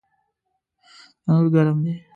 تنور ګرم دی